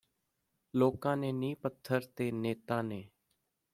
ਲੋਕ ਨੇ ਨੀਂਹ ਪੱਥਰ ਨੇ ਨੇਤਾ ਨੇ